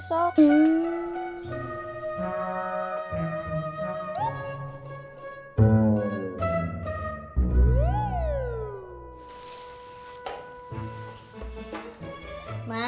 saya maunya sekarang bukan besok